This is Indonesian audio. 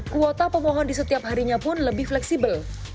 kuota pemohon di setiap harinya pun lebih fleksibel